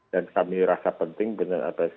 dan kami rasa penting benar benar lpsk